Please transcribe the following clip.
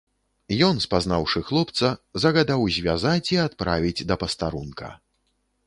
Ён, спазнаўшы хлопца, загадаў звязаць і адправіць да пастарунка.